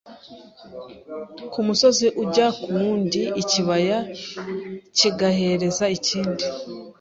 ku musozi ujya ku wundi, ikibaya kigahereza ikindi.